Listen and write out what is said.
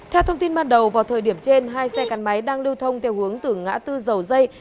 theo thông tin ban đầu vào thời điểm trên hai xe gắn máy đang lưu thông theo hướng từ ngã tư dầu dây